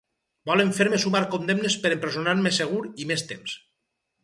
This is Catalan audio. Volen fer-me sumar condemnes per empresonar-me segur i més temps.